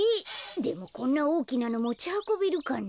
でもこんなおおきなのもちはこべるかな？